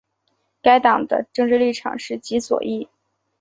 该党的政治立场是极左翼。